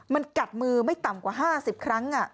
มันกัดมือไม่ต่ำกว่า๕๐ครั้ง